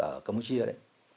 ở campuchia đấy